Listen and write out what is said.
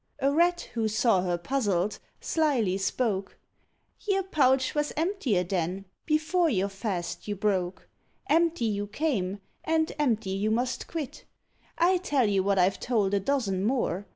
A Rat who saw her puzzled, slily spoke "Your pouch was emptier then, before your fast you broke. Empty you came, and empty you must quit: I tell you what I've told a dozen more.